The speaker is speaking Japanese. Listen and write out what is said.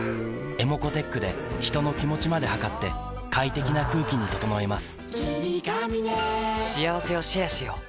ｅｍｏｃｏーｔｅｃｈで人の気持ちまで測って快適な空気に整えます